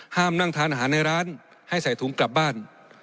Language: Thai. ห้ามนั่งทานอาหารในร้านให้ใส่ถุงกลับบ้าน